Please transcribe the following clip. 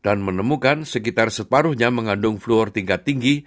dan menemukan sekitar separuhnya mengandung fluor tingkat tinggi